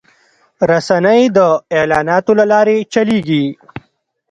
رسنۍ د اعلاناتو له لارې چلېږي